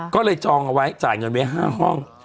ก็เลยจองเอาไว้จ่ายเงินไว้๕ห้อง